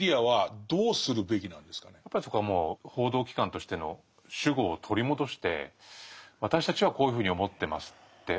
やっぱりそこはもう報道機関としての主語を取り戻して「私たちはこういうふうに思ってます」って。